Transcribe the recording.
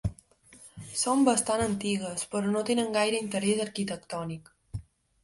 Són bastant antigues, però no tenen gaire interès arquitectònic.